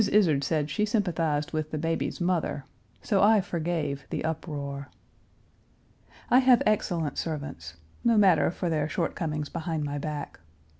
Izard said she sympathized with the baby's mother; so I forgave the uproar. I have excellent servants; no matter for their short comings behind my back.